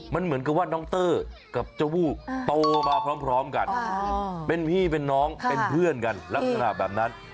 มันเหมือนกับว่าน้องเตอร์กับเจ้าวู้โตมาพร้อมกันเป็นพี่เป็นน้องเป็นเพื่อนกันลักษณะแบบนั้น